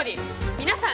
皆さん